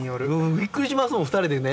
ビックリしますもん２人でね